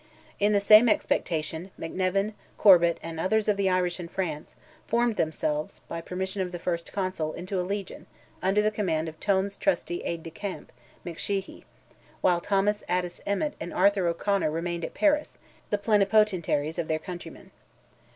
In the same expectation, McNevin, Corbet, and others of the Irish in France, formed themselves, by permission of the First Consul, into a legion, under command of Tone's trusty aid de camp, McSheehey; while Thomas Addis Emmet and Arthur O'Conor remained at Paris, the plenipotentiaries of their countrymen.